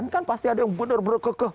kan pasti ada yang benar benar kekeh